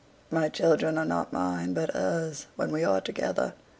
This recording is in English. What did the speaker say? My children are not mine, but hers, when we are together.